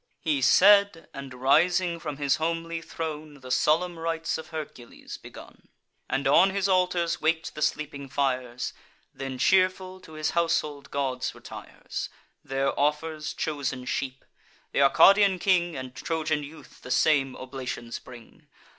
He said, and, rising from his homely throne, The solemn rites of Hercules begun, And on his altars wak'd the sleeping fires; Then cheerful to his household gods retires; There offers chosen sheep. Th' Arcadian king And Trojan youth the same oblations bring.